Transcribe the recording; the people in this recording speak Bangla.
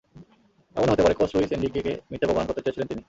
এমনও হতে পারে, কোচ লুইস এনরিকেকে মিথ্যে প্রমাণ করতে চেয়েছিলেন তিনি।